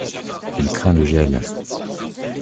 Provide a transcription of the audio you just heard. Il craint le gel.